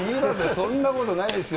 そんなことないですよ。